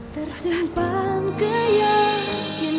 di batas gerakan